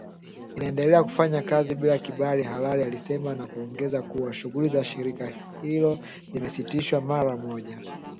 Inaendelea kufanya kazi bila kibali halali alisema na kuongeza kuwa shughuli za shirika hilo zimesitishwa mara moja